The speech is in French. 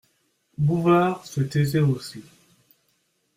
Bouvard se taisait aussi.